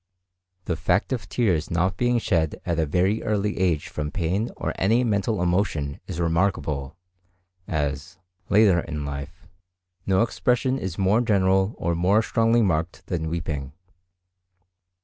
The fact of tears not being shed at a very early age from pain or any mental emotion is remarkable, as, later in life, no expression is more general or more strongly marked than weeping.